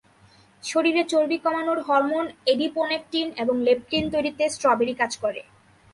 শরীরে চর্বি কমানোর হরমোন এডিপোনেকটিন এবং লেপটিন তৈরিতে স্ট্রবেরি কাজ করে।